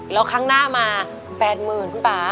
แล้วครั้งหน้ามา๘๐๐๐๐บาท